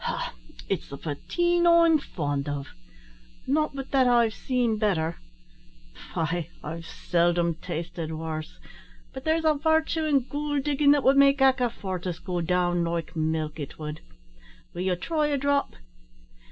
"Ha! it's the potheen I'm fond of; not but that I've seen better; faix I've seldom tasted worse, but there's a vartue in goold diggin' that would make akifortis go down like milk it would. Will ye try a drop?"